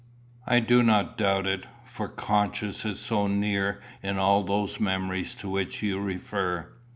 "I do not doubt it; for conscience is so near in all those memories to which you refer.